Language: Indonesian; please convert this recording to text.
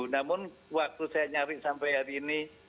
namun waktu saya nyari sampai hari ini